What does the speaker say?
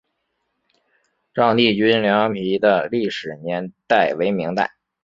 丈地均粮碑的历史年代为明代。